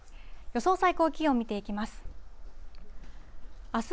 予想最高気温見ていきます。